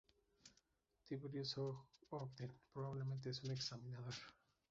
Tiberius Ogden: Probablemente es un examinador.